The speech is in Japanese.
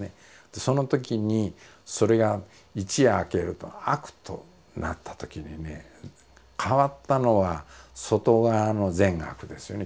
そのときにそれが一夜明けると悪となったときにね変わったのは外側の善悪ですよね。